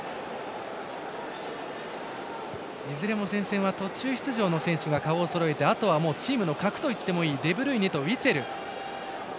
いずれも前線は途中出場の選手が顔をそろえて、あとはチームの核といってもいいデブルイネとウィツェル。